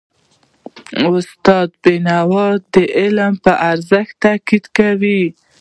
استاد بینوا د علم پر ارزښت تاکید کاوه.